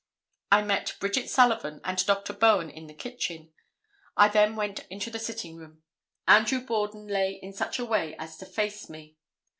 I met Bridget Sullivan and Dr. Bowen in the kitchen. I then went into the sitting room. Andrew Borden lay in such a way as to face me.